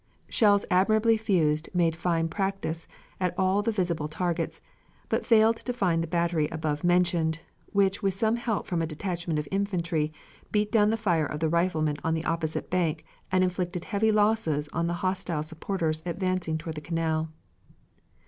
Shells admirably fused made fine practice at all the visible targets, but failed to find the battery above mentioned which with some help from a detachment of infantry, beat down the fire of the riflemen on the opposite bank and inflicted heavy losses on the hostile supports advancing toward the Canal.